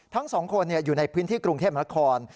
ทั้งสองคนอยู่ในพื้นที่กรุงเทพมนาคม